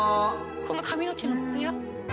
この髪の毛のツヤ。